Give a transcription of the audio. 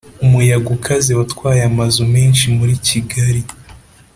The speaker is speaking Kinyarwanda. umuyaga ukaze watwaye amazu menshi muri Kigali